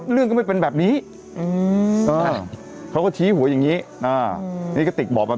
เรื่องก็ไม่เป็นแบบนี้เขาก็ชี้หัวอย่างนี้นี่กระติกบอกแบบ